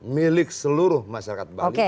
milik seluruh masyarakat bali